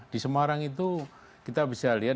di semarang itu kita bisa lihat